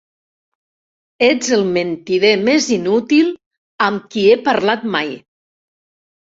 Ets el mentider més inútil amb qui he parlat mai.